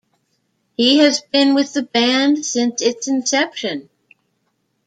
He has been with the band since its inception.